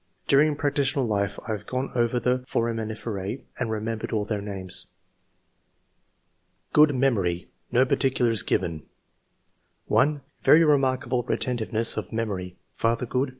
during practitional life I have gone over the foraminiferse and remember all their names." Good memory, no particulars given. 1. "Very remarkable retentiveness of memory. . ''Father — Good.